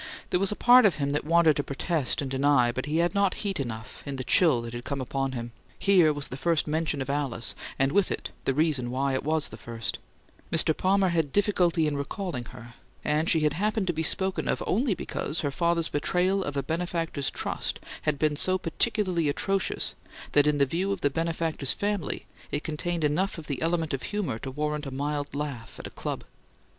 There was a part of him that wanted to protest and deny, but he had not heat enough, in the chill that had come upon him. Here was the first "mention" of Alice, and with it the reason why it was the first: Mr. Palmer had difficulty in recalling her, and she happened to be spoken of, only because her father's betrayal of a benefactor's trust had been so peculiarly atrocious that, in the view of the benefactor's family, it contained enough of the element of humour to warrant a mild laugh at a club.